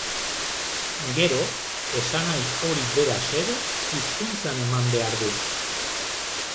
Gero, esanahi hori bera xede hizkuntzan eman behar du.